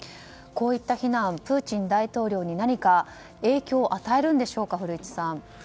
こういった非難はプーチン大統領に何か、影響を与えるんでしょうか古市さん。